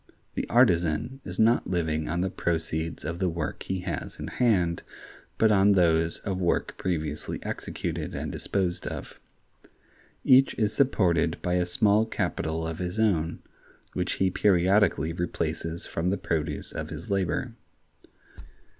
The artisan is not living on the proceeds of the work he has in hand, but on those of work previously executed and disposed of. Each is supported by a small capital of his own, which he periodically replaces from the produce of his labor.